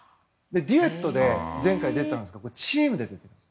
デュエットで前回出たんですがチームで出る。